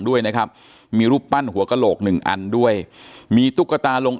ด้วยนะครับมีรูปปั้นหัวกระโหลกหนึ่งอันด้วยมีตุ๊กตาลง